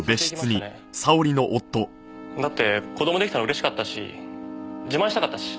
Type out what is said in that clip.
だって子供出来たの嬉しかったし自慢したかったし。